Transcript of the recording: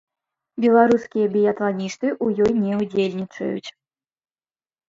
Беларускія біятланісты ў ёй не ўдзельнічаюць.